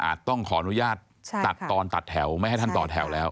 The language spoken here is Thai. ต้องขออนุญาตตัดตอนตัดแถวไม่ให้ท่านต่อแถวแล้ว